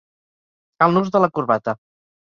El nus de la corbata.